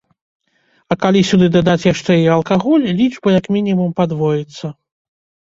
А калі сюды дадаць яшчэ і алкаголь, лічба як мінімум падвоіцца.